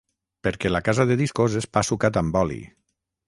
Perquè la casa de discos és pa sucat amb oli.